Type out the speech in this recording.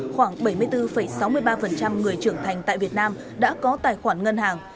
khoảng bảy mươi bốn sáu mươi ba người trưởng thành tại việt nam đã có tài khoản ngân hàng